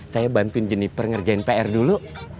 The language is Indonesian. saya bantuin jeniper ngerjain pr dulu